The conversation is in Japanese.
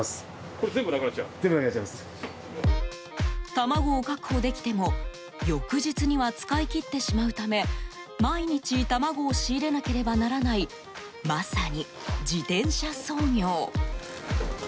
卵を確保できても翌日には使い切ってしまうため毎日卵を仕入れなければならないまさに、自転車操業。